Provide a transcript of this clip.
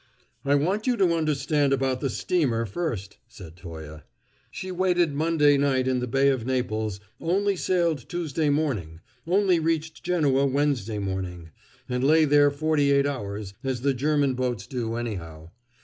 "I want you to understand about the steamer first," said Toye. "She waited Monday night in the Bay of Naples, only sailed Tuesday morning, only reached Genoa Wednesday morning, and lay there forty eight hours, as the German boats do, anyhow.